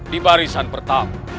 di barisan pertama